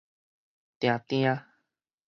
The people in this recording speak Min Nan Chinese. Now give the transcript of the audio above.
定定